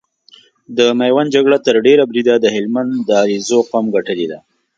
د ميوند جګړه تر ډېره بريده د هلمند د عليزو قوم ګټلې ده۔